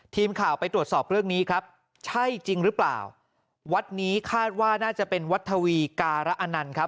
ทีมข่าวไปตรวจสอบเรื่องนี้ครับใช่จริงหรือเปล่าวัดนี้คาดว่าน่าจะเป็นวัดทวีการะอนันต์ครับ